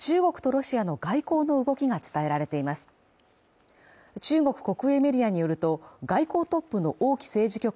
こうした中中国とロシアの外交の動きが伝えられています中国国営メディアによると外交トップの王毅政治